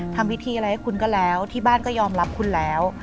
ทำพิธีอะไรให้คุณก็แล้วที่บ้านก็ยอมรับคุณแล้ว